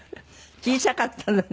小さかったのね。